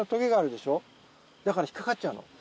だから引っ掛かっちゃうの。